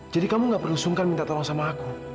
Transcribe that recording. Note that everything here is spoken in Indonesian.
jadi kamu gak perlu sungkan minta tolong sama aku